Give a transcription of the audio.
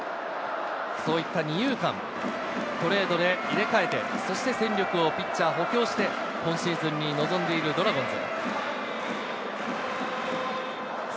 そういった二遊間、トレードで入れ替えて、そして戦力をピッチャーを補強して今シーズンに臨んでいるドラゴンズ。